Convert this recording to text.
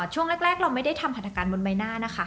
ช่วงแรกเราไม่ได้ทำพัฒนาการบนใบหน้านะคะ